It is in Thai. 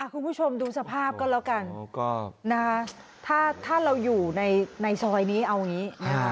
คุณผู้ชมดูสภาพก็แล้วกันถ้าเราอยู่ในซอยนี้เอาอย่างนี้